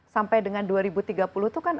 sampai dengan dua ribu tiga puluh itu kan